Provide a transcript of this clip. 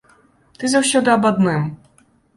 Ты заўсёды аб адным.